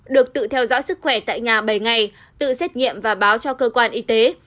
được tự theo dõi sức khỏe tại nhà bảy ngày tự xét nghiệm và báo cho cơ quan y tế